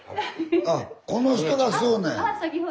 あこの人がそうなんや。